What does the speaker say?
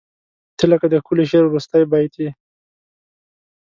• ته لکه د ښکلي شعر وروستی بیت یې.